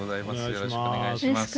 よろしくお願いします。